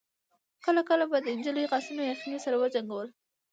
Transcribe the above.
کله کله به د نجلۍ غاښونه يخنۍ سره وجنګول.